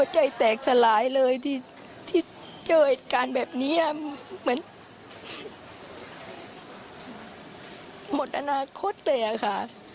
เจอเหตุการณ์แบบนี้เหมือนหมดอนาคตเลยค่ะ